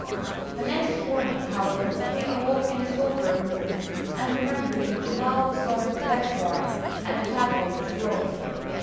The next morning, however, he awoke in a soberer mood and remembered that Gemma was going to Leghorn and the Padre to Rome.